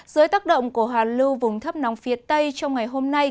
dưới tác động của hà lưu vùng thấp nóng phía tây trong ngày hôm nay